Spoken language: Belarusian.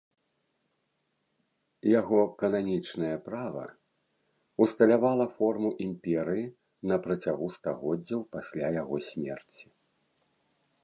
Яго кананічнае права ўсталявала форму імперыі на працягу стагоддзяў пасля яго смерці.